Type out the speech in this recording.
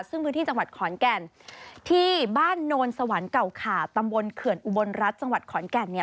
ซึ่งพื้นที่จังหวัดขอนแก่นที่บ้านโนนสวรรค์เก่าขาตำบลเขื่อนอุบลรัฐจังหวัดขอนแก่นเนี่ย